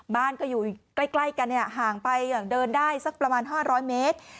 บ้านก็อยู่ใกล้กันห่างไปเดินได้สักประมาณ๕๐๐เมตร